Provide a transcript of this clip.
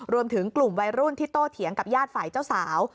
รวมถึงกลุ่มวัยรุ่นที่โตเถียงกับญาติฝ่ายเจ้าสาว